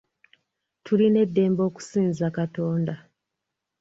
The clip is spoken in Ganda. Tulina eddembe okusinza Katonda.